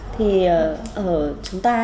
thì ở chúng ta